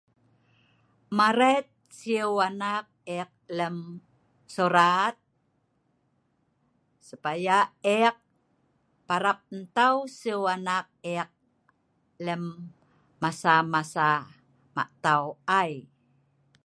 Maret siu anak ek lem surat supaya ek parab ntau siu anak ek lem masa-masa mak tau ai